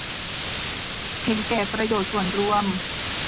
เห็นแก่ประโยชน์ส่วนรวม